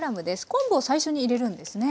昆布を最初に入れるんですね？